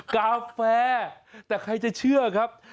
กาแฟแต่ใครจะเชื่อครับ